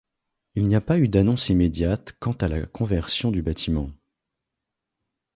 Il n'y a pas eu d'annonce immédiate quant à la conversion du bâtiment.